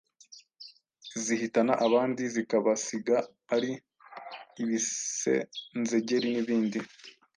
zihitana abandi zikabasiga ari ibisenzegeri n’ibindi.